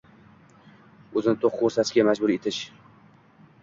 o'zini to'q ko'rsatishga majbur etishi